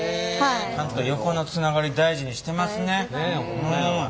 ちゃんと横のつながり大事にしてますね。